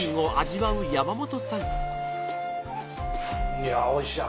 いやおいしい味